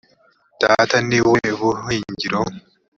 data ni we buhingiro